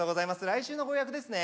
来週のご予約ですね。